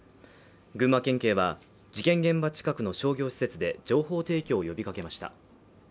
群馬県警は事件現場近くの商業施設で情報提供を呼びかけました。